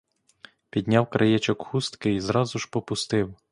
Підняв краєчок хустки й зразу ж попустив.